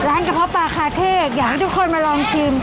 กระเพาะปลาคาเท่อยากให้ทุกคนมาลองชิม